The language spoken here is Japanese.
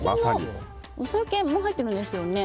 お酒も入ってるんですよね。